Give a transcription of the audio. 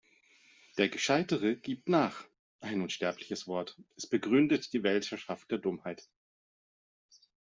Der Gescheitere gibt nach! Ein unsterbliches Wort. Es begründete die Weltherrschaft der Dummheit.